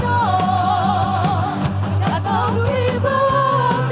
tidak terpengaruh di bawah